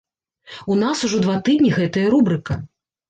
У нас ужо два тыдні гэтая рубрыка.